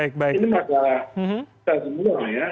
ini masalah kita semua ya